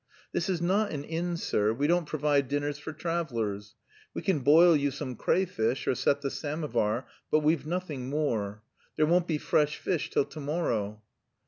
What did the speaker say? "This is not an inn, sir; we don't provide dinners for travellers. We can boil you some crayfish or set the samovar, but we've nothing more. There won't be fresh fish till to morrow."